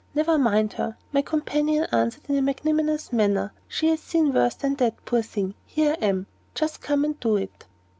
"Never mind her," my companion answered, in a magnanimous manner; "she has seen worse than that, poor thing. Here I am just come and do it."